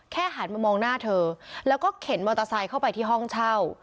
หันมามองหน้าเธอแล้วก็เข็นมอเตอร์ไซค์เข้าไปที่ห้องเช่า